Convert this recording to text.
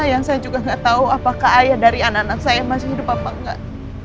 yang saya juga nggak tahu apakah ayah dari anak anak saya masih hidup apa enggak